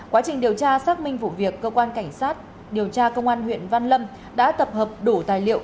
quá trình điều tra xác minh vụ việc cơ quan cảnh sát điều tra công an huyện văn lâm đã tập hợp đủ tài liệu